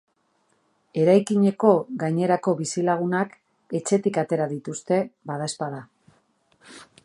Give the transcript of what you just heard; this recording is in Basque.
Eraikineko gainerako bizilagunak etxetik atera dituzte, badaezpada.